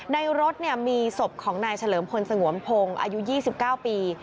ในรถมีศพของนายเฉลิมพลสงวนพงศ์อายุ๒๙ปี